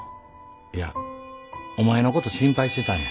いやお前のこと心配してたんや。